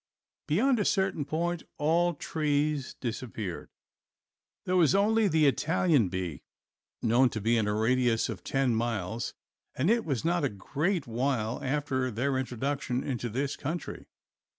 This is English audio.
Beyond a certain point all trees disappeared. This was the only Italian bee known to be in a radius of ten miles and it was not a great while after their introduction into this country.